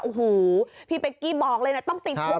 โอ้โหพี่เป๊กกี้บอกเลยนะต้องติดคุก